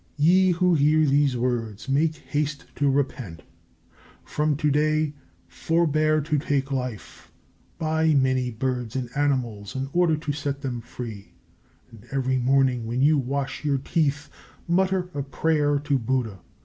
Ye who hear these words make haste to repent! From to day forbear to take life, buy many birds and animals in order to set them free, and every morning when you wash your teeth mutter a prayer to Buddha.